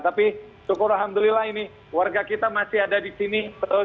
tapi syukur alhamdulillah ini warga kita masih ada di sini